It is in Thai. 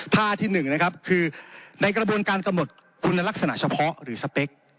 ท่าที่๑นะครับคือในกระบวนการกำหนดคุณลักษณะเฉพาะหรือสเปค